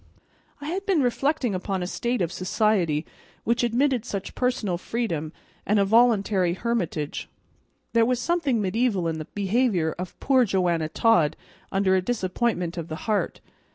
I had been reflecting upon a state of society which admitted such personal freedom and a voluntary hermitage. There was something mediaeval in the behavior of poor Joanna Todd under a disappointment of the heart.